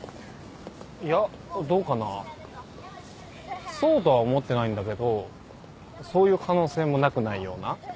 いやどうかなそうとは思ってないんだけどそういう可能性もなくないような？